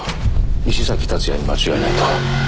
西崎竜也に間違いないと。